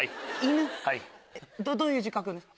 どういう字書くんですか？